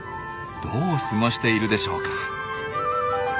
どう過ごしているでしょうか。